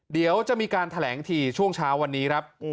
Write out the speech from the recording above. เดี๋ยวจะมีการแถลงทีช่วงเช้าวันนี้ครับ